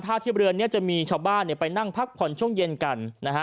เทียบเรือนี้จะมีชาวบ้านไปนั่งพักผ่อนช่วงเย็นกันนะฮะ